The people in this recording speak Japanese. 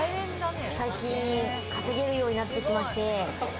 最近、稼げるようになってきまして。